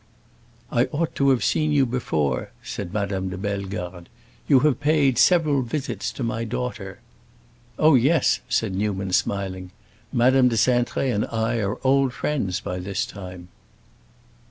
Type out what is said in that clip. "I ought to have seen you before," said Madame de Bellegarde. "You have paid several visits to my daughter." "Oh, yes," said Newman, smiling; "Madame de Cintré and I are old friends by this time."